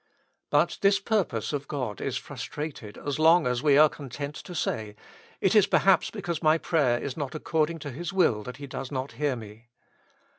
But this purpose of God is frustrated as long as we are content to say : It is perhaps because my prayer is not accord ing to His will that He does not hear me.